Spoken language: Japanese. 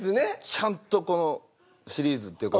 ちゃんとこのシリーズっていうか